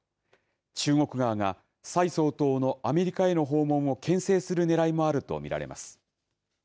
中国側が蔡総統のアメリカへの訪問をけん制するねらいもあると見られます。